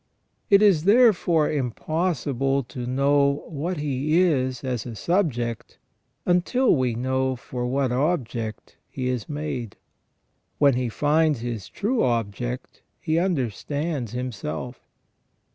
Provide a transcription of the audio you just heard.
It is, therefore, im possible to know what he is as a subject until we know for what object he is made. When he finds his true object, he under stands himself.